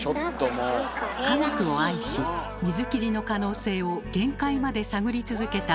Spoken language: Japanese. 科学を愛し水切りの可能性を限界まで探り続けた科学者。